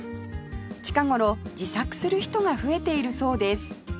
近頃自作する人が増えているそうです